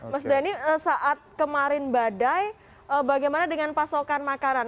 mas dhani saat kemarin badai bagaimana dengan pasokan makanan